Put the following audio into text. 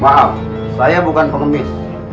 maaf saya bukan pengemis